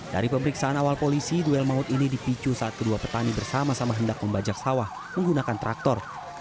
dari pemeriksaan awal polisi duel maut ini dipicu saat kedua petani bersama sama hendak membajak sawah menggunakan traktor